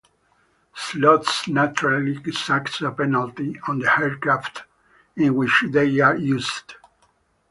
Slots naturally exact a penalty on the aircraft in which they are used.